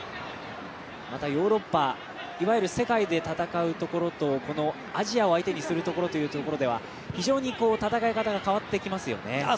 あとはヨーロッパ、世界で戦うところとこのアジアを相手にするというところでは非常に戦い方が変わってきますよね。